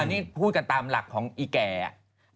นี่พูดกันตามหลักของอีแก่อะ